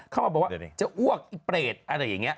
เข้ามาบอกว่าจะอ้วกอีเปรตอะไรอย่างนี้